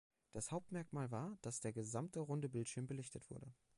Das Hauptmerkmal war, dass der gesamte runde Bildschirm belichtet wurde.